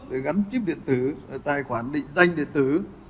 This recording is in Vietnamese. về gắn chip điện tử về tài khoản định danh điện tử